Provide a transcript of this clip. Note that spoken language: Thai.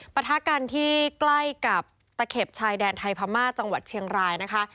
ประทะกันที่ใกล้กับตะเข็บชายแดนไทยพม่าจังหวัดเชียงรายนะคะ